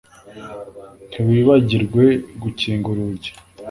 Ntiwibagirwe gukinga urugi